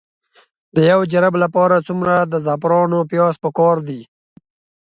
د یو جریب لپاره څومره د زعفرانو پیاز پکار دي؟